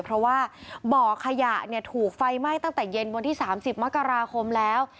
เพราะว่าบ่อขยะถูกไฟไหม้ตั้งแต่เย็นวันที่๓๐มกราคมแล้ว